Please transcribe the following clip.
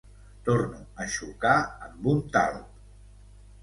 Torno a xocar amb un talp.